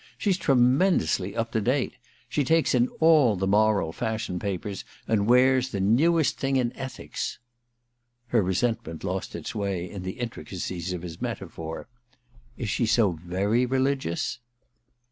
She's tremendously up to date. She takes in all the moral fashion papers, and wears the newest thing in ethics.' Her resentment lost its way in the intricacies of his metaphor. * Is she so very religious